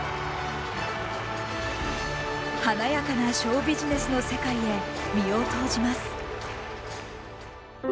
華やかなショービジネスの世界へ身を投じます。